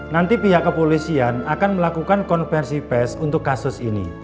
nanti pihak kepolisian akan melakukan konversi pes untuk kasus ini